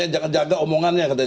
jangan jaga omongannya